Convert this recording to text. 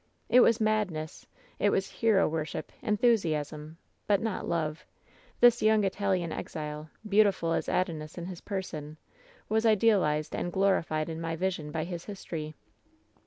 It was madness ; it was hero worship, enthusiasm. But not love. This young Italian exile, beautiful as Adonis in his person, was idealized and glorified in my vision by his history.